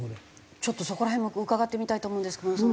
ちょっとそこら辺も伺ってみたいと思うんですけども。